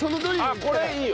あっこれいいよ！